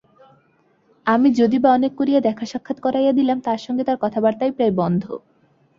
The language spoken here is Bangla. আমি যদি-বা অনেক করিয়া দেখাসাক্ষাৎ করাইয়া দিলাম, তাঁর সঙ্গে তার কথাবার্তাই প্রায় বন্ধ।